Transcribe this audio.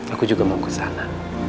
aku juga mau ke sana